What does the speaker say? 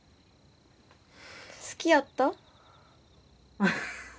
好きやった？